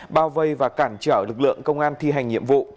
bao vây và cản trở lực lượng công an thi hành nhiệm vụ